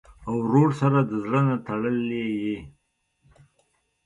ورور سره د زړه نه تړلې یې.